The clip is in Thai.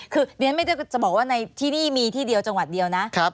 คือเรียนไม่ได้จะบอกว่าในที่นี่มีที่เดียวจังหวัดเดียวนะ